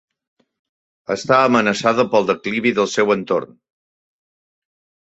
Està amenaçada pel declivi del seu entorn.